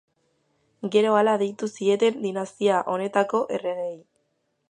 Gero hala deitu zieten dinastia honetako erregeei.